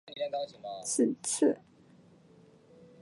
此次召回事件被证实为虚惊一场。